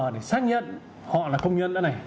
để xác nhận họ là công nhân